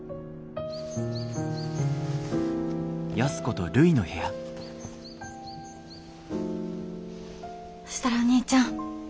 そしたらお兄ちゃん。